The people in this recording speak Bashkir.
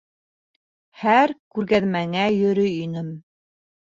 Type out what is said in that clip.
Һәр күргәҙмәңә йөрөй инем.